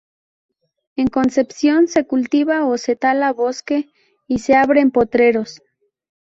En Concepción se cultiva o se tala bosque y se abren potreros.